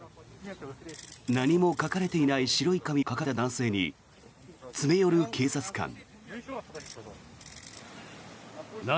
何も書かれていない白い紙を掲げた男性に詰め寄る警察官。